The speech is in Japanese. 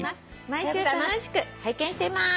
毎週楽しく拝見しています」